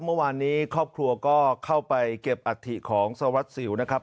เมื่อวานนี้ครอบครัวก็เข้าไปเก็บอัฐิของสารวัตรสิวนะครับ